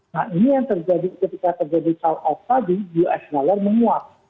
nah ini yang terjadi ketika terjadi charle off tadi us dollar menguap